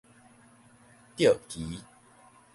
擢棋